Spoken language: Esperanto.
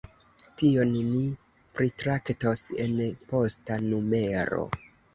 Tion ni pritraktos en posta numero.